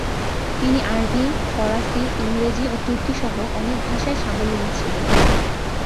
তিনি আরবি, ফরাসি, ইংরেজি ও তুর্কি সহ অনেক ভাষায় সাবলীল ছিলেন।